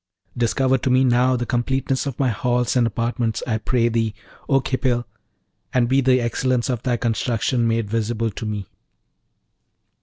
Discover to me now the completeness of my halls and apartments, I pray thee, O Khipil, and be the excellence of thy construction made visible to me!'